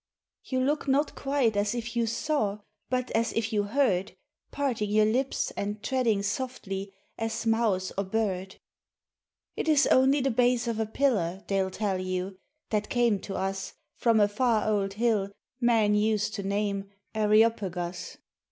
"You look not quite as if you saw, But as if you heard, Parting your lips, and treading softly As mouse or bird. "It is only the base of a pillar, they'll tell you, That came to us From a far old hill men used to name Areopagus."